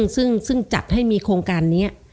ซึ่งจัดให้มีโครงการนี้